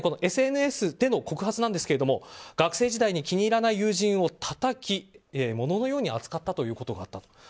更にＳＮＳでの告発なんですが学生時代に気に入らない友人をたたき物のように扱ったということがあった。